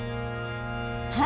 はい！